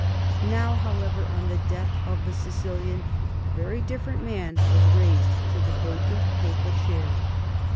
Now, however, on the death of the Sicilian, a very diflferent man was raised to the vacant papal chair.